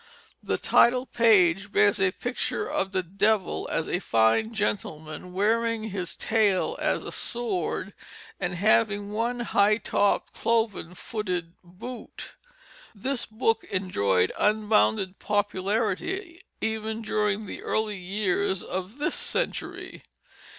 The title page bears a picture of the devil as a fine gentleman wearing his tail as a sword, and having one high topped cloven footed boot. This book enjoyed unbounded popularity even during the early years of this century.